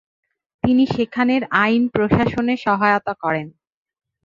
তিনি সেখানের আইন প্রশাসনে সহায়তা করেন।